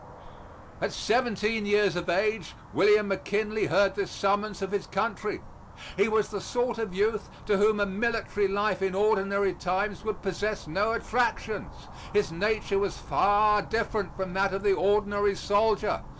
At seventeen years of age William McKinley heard this summons of his country. He was the sort of youth to whom a military life in ordinary times would possess no attractions. His nature was far different from that of the ordinary soldier.